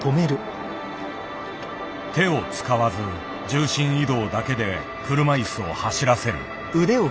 手を使わず重心移動だけで車いすを走らせる。